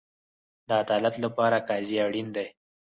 د عدالت لپاره قاضي اړین دی